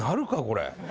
これ。